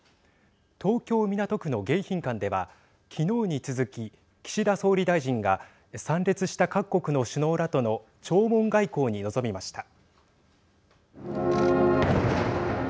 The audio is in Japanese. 東京、港区の迎賓館では昨日に続き、岸田総理大臣が参列した各国の首脳らとの弔問外交に臨みました。